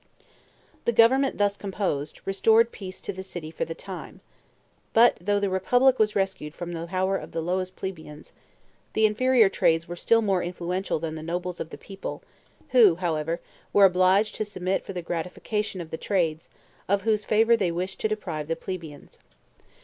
The government thus composed, restored peace to the city for the time; but though the republic was rescued from the power of the lowest plebeians, the inferior trades were still more influential than the nobles of the people, who, however, were obliged to submit for the gratification of the trades, of whose favor they wished to deprive the plebeians.